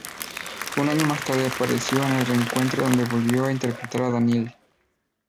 Un año más tarde apareció en el reencuentro donde volvió a interpretar a Danielle.